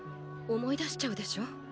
思い出しちゃうでしょう。